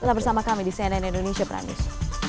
kita bersama di cnn indonesia pranius